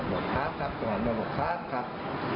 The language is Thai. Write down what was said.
บอกครับครับส่วนมาบอกครับครับ